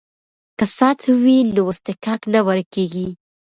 که سطح وي نو اصطکاک نه ورکیږي.